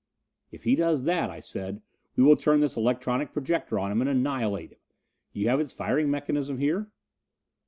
"If he does that," I said, "we will turn this electronic projector on him and annihilate him. You have its firing mechanism here."